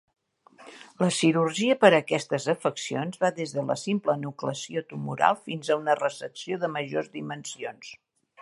La cirurgia per a aquestes afeccions va des de la simple enucleació tumoral fins a una resecció de majors dimensions.